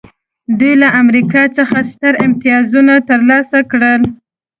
دوی له امریکا څخه ستر امتیازونه ترلاسه کړل